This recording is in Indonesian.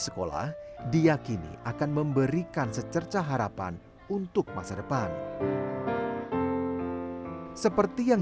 sekolah diakini akan memberikan secerca harapan untuk masa depan seperti yang